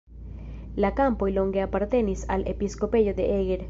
La kampoj longe apartenis al episkopejo de Eger.